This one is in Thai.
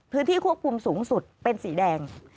พื้นที่ควบคุมสูงสุดเป็นสีแดง